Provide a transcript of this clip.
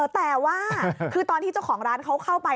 แต่ว่าคือตอนที่เจ้าของร้านเขาเข้าไป